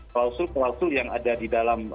klausul klausul yang ada di dalam